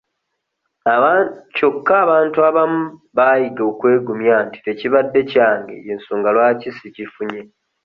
Kyokka abantu abamu baayiga okwegumya nti tekibadde kyange y'ensonga lwaki si kifunye.